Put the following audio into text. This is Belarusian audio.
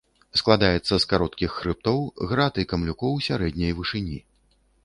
Складаецца з кароткіх хрыбтоў, град і камлюкоў сярэдняй вышыні.